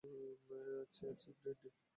চাচী, green টি।